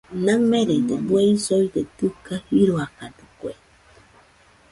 Naɨmerede bueisoide dɨga jiroakadɨkue.